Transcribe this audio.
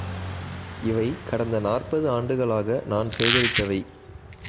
இவை கடந்த நாற்பது ஆண்டுகளாக நான் சேகரித்தவை.